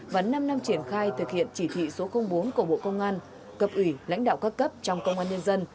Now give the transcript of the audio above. và năm năm triển khai thực hiện chỉ thị số bốn của bộ công an cập ủy lãnh đạo các cấp trong công an nhân dân